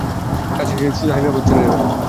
কাজ শেষে সোজা হায়দ্রাবাদে চলে যাব।